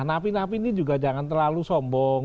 napi napi ini juga jangan terlalu sombong